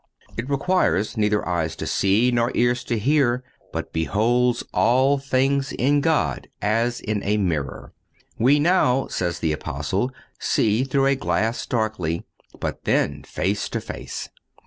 It requires neither eyes to see nor ears to hear, but beholds all things in God as in a mirror. "We now," says the Apostle, "see through a glass darkly; but then face to face.